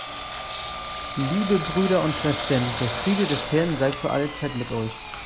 Liebe Brüder und Schwestern, der Friede des Herrn sei für alle Zeit mit euch.